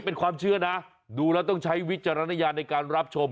เป็นความเชื่อนะดูแล้วต้องใช้วิจารณญาณในการรับชม